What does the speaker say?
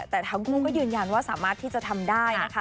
แต่ทั้งคู่ก็ยืนยันว่าสามารถที่จะทำได้นะคะ